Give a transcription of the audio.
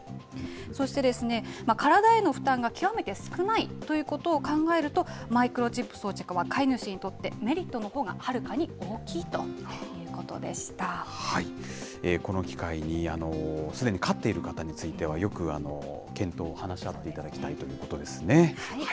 そして、体への負担が極めて少ないということを考えると、マイクロチップ装着は、飼い主にとってメリットのほうがはるかにこの機会に、すでに飼っている方についてはよく検討、話し合っていただきたいということですね。